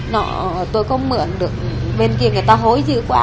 nọ tôi không mượn được bên kia người ta hối dự quá